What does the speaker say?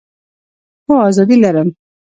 هو، آزادي لرم